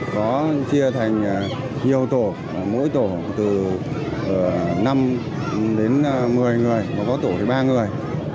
có chia thành nhiều tổ mỗi tổ từ năm đến một mươi người có tổ từ ba người